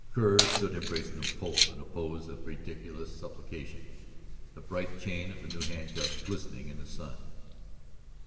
Kerr stood embracing the pole in a pose of ridiculous supplication, the bright chain of the new handcuffs glistening in the sun.